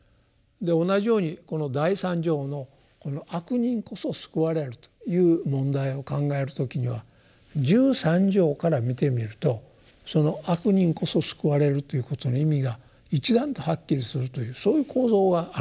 同じようにこの第三条のこの悪人こそ救われるという問題を考える時には十三条から見てみるとその悪人こそ救われるということの意味が一段とはっきりするというそういう構造があるんですね。